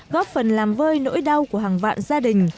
góp phần làm vơi nỗi đau của hàng vạn gia đình